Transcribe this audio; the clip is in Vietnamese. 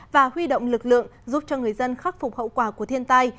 và huy động lực lượng giúp cho người dân khắc phục hậu quả của thiên tai